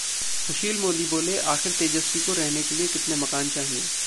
सुशील मोदी बोले- आखिर तेजस्वी को रहने के लिए कितने मकान चाहिए?